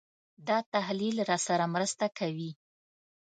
دا تحلیل راسره مرسته کوي.